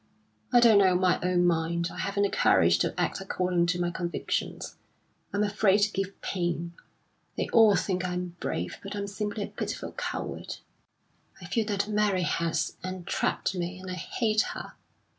I don't know my own mind. I haven't the courage to act according to my convictions. I'm afraid to give pain. They all think I'm brave, but I'm simply a pitiful coward...." "I feel that Mary has entrapped me, and I hate her.